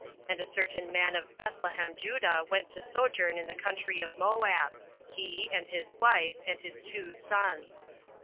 And a certain man of Bethlehemjudah went to sojourn in the country of Moab, he, and his wife, and his two sons.